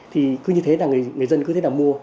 thì cứ như thế là người dân cứ thế nào mua